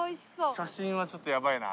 写真はちょっとヤバいな。